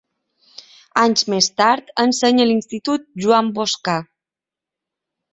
Anys més tard, ensenya a l'Institut Joan Boscà.